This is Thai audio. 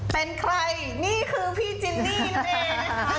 เป็นใครนี่คือพี่จินนี่นะคะ